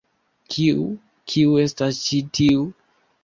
Kiu... kiu estas ĉi tiu?